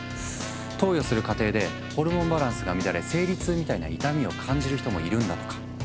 投与する過程でホルモンバランスが乱れ生理痛みたいな痛みを感じる人もいるんだとか。